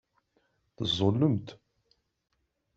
Teẓẓullemt.